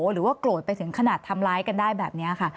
หรือว่าโกรธไปถึงขนาดทำร้ายกันได้แบบนี้ค่ะ